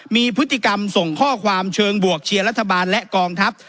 มีพฤติกรรมส่งข้อความเชิงบวกเชียร์รัฐบาลและกองทัพ